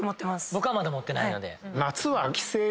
僕はまだ持ってないので。